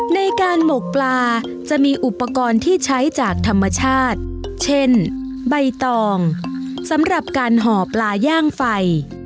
ในการหมกปลาจะมีอุปกรณ์ที่ใช้จากธรรมชาติเช่นใบตองสำหรับการห่อปลาย่างไฟ